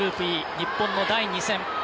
日本の第２戦。